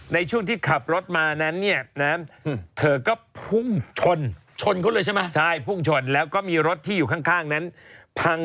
ไม่ใช่เอาข่าวก่อนซิเอาข่าว